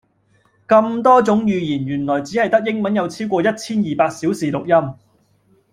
咁多種語言原來只係得英文有超過一千二百小時錄音